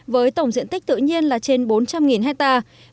với tổng diện tích tự nhiên là trên bốn trăm linh hectare